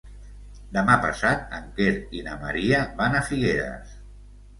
Demà passat en Quer i na Maria van a Figueres.